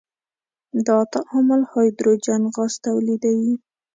دا تعامل هایدروجن غاز تولیدوي.